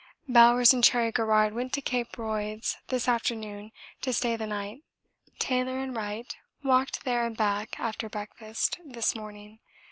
Bowers and Cherry Garrard went to Cape Royds this afternoon to stay the night. Taylor and Wright walked there and back after breakfast this morning.